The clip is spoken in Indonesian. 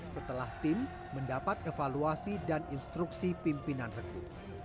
setelah tim mendapat evaluasi dan instruksi pimpinan regu